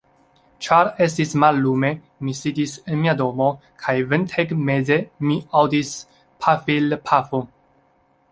Ĉar estis mallume, mi sidis en mia domo, kaj ventegmeze mi aŭdis pafilpafon.